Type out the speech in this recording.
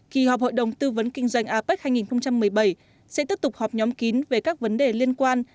kỳ họp hội đồng tư vấn kinh doanh apec hai nghìn một mươi bảy sẽ tiếp tục họp nhóm kín về các vấn đề liên quan